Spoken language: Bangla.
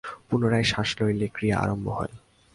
পুনরায় শ্বাস লইলে ক্রিয়া আরম্ভ হয়।